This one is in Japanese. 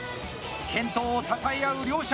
健闘をたたえ合う両者。